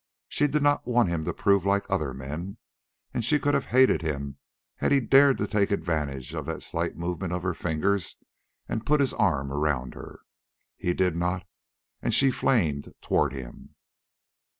She did not want him to prove like other men, and she could have hated him had he dared to take advantage of that slight movement of her fingers and put his arm around her. He did not, and she flamed toward him.